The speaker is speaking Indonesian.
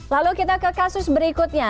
lalu kita ke kasus berikutnya